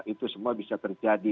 itu semua bisa terjadi